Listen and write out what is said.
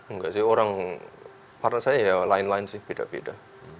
enggak sih orang partai saya ya lain lain sih beda beda